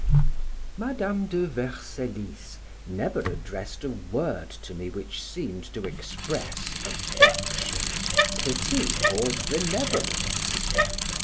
Madam de Vercellis never addressed a word to me which seemed to express affection, pity, or benevolence.